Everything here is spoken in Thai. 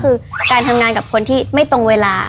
คือการทำงานกับคนที่ไม่ตรงเวลา